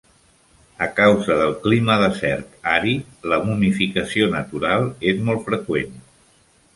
A causa del clima desert àrid, la momificació natural és molt freqüent.